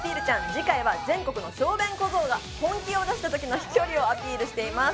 次回は全国の小便小僧が本気を出した時の飛距離をアピールしています